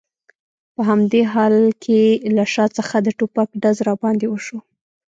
په همدې حال کې له شا څخه د ټوپک ډز را باندې وشو.